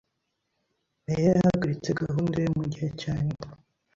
Meya yahagaritse gahunda ye mugihe cyanyuma.